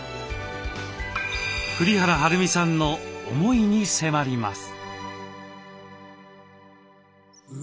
栗原はるみさんの思いに迫ります。